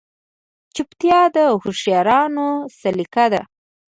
چوپتیا، د هوښیارانو سلیقه ده.